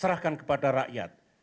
serahkan kepada rakyat